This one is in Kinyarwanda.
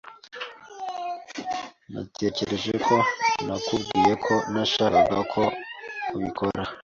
Natekereje ko nakubwiye ko ntashaka ko ubikora.